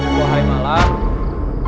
dua hari malam